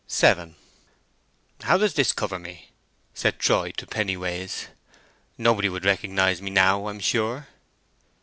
VII "How does this cover me?" said Troy to Pennyways. "Nobody would recognize me now, I'm sure."